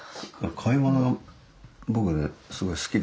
買い物が僕ねすごい好きで。